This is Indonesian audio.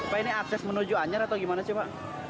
pak ini akses menuju anyar atau gimana sih pak